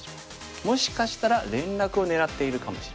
もしかしたら連絡を狙ってるかもしれない。